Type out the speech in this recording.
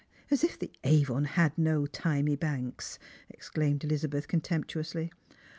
" As if the Avon had no thymy banks! " exclaimed Elizabeth contemptuously.